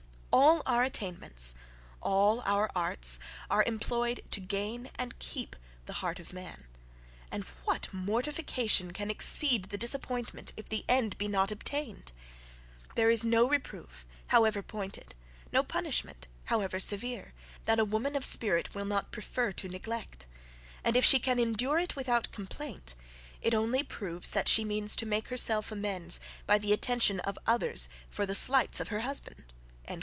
All our attainments, all our arts, are employed to gain and keep the heart of man; and what mortification can exceed the disappointment, if the end be not obtained: There is no reproof however pointed, no punishment however severe, that a woman of spirit will not prefer to neglect; and if she can endure it without complaint, it only proves that she means to make herself amends by the attention of others for the slights of her husband!"